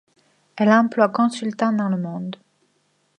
Elle emploie consultants dans le monde.